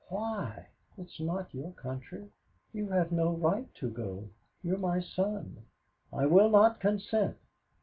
Why? It's not your country. You have no right to go. You're my son. I will not consent."